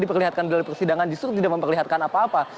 diperlihatkan dalam persidangan justru tidak memperlihatkan apa apa